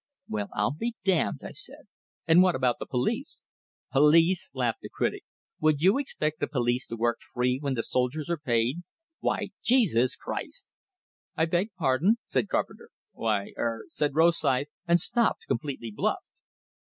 "Well, I'll be damned!" I said. "And what about the police?" "Police?" laughed the critic. "Would you expect the police to work free when the soldiers are paid? Why, Jesus Christ " "I beg pardon?" said Carpenter. "Why er " said Rosythe; and stopped, completely bluffed.